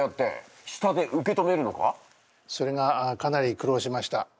それがかなり苦労しました。